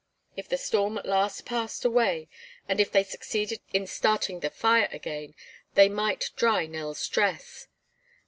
If the storm at last passed away and if they succeeded in starting the fire again, they might dry Nell's dress!